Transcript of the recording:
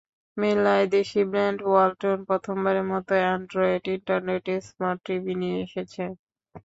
মেলায় দেশি brand Walton প্রথমবারের মতো অ্যান্ড্রয়েড ইন্টারনেট স্মার্ট টিভি নিয়ে এসেছে।